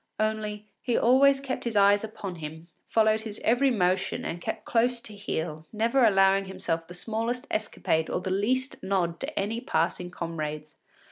Only, he always kept his eyes upon him, followed his every motion and kept close to heel, never allowing himself the smallest escapade or the least nod to any passing comrades.